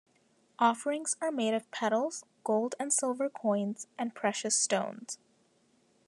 Offerings are made of petals, gold and silver coins, and precious stones.